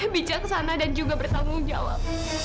bijaksana dan juga bertanggung jawab